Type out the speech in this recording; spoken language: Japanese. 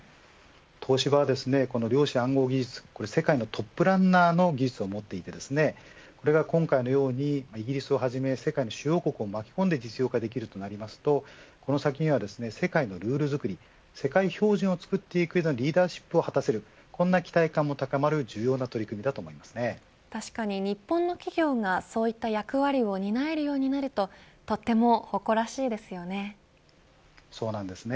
東芝はこの量子暗号技術世界のトップランナーの技術を持っていてこれが今回のようにイギリスをはじめ世界の主要国を巻き込んで実用化できるとなりますとこの先には、世界のルール作り世界標準を作っていくようなリーダーシップを果たせるこんな期待感も高まる確かに、日本の企業がそういった役割を担えるようになるとそうなんですね。